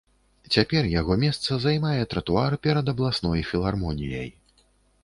Цяпер яго месца займае тратуар перад абласной філармоніяй.